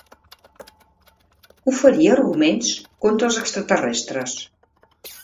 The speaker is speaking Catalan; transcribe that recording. Oferí arguments contra els extraterrestres.